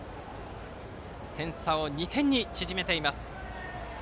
点差を２点に縮めています。